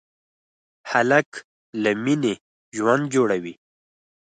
هلک له مینې ژوند جوړوي.